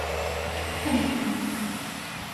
包括和硕特汗国。